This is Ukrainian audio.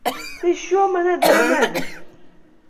— Ти що мене деремезиш?